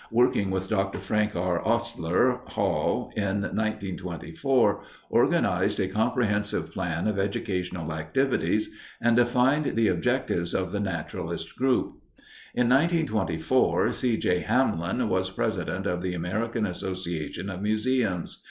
Working with Dr. Frank R. Oastler, Hall in 1924 organized a comprehensive plan of educational activities and defined the objectives of the naturalist group. In 1924, C. J. Hamlin was president of the American Association of Museums.